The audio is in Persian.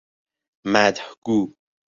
مدح گو